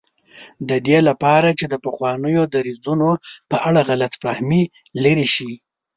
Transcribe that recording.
د دې لپاره چې د پخوانیو دریځونو په اړه غلط فهمي لرې شي.